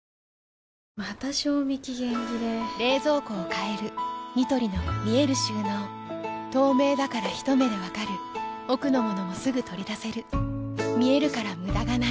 また賞味期限切れ冷蔵庫を変えるニトリの見える収納透明だからひと目で分かる奥の物もすぐ取り出せる見えるから無駄がないよし。